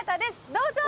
どうぞ！